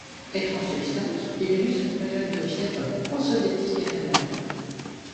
Étrangeté historique, il illustre une période de fièvre pro-soviétique éphémère.